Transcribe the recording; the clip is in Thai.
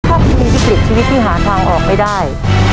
ถ้าคุณมีวิกฤตชีวิตที่หาทางออกไม่ได้